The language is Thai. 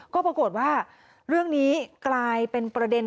ก็ปรากฏว่าเรื่องนี้กลายเป็นประเด็น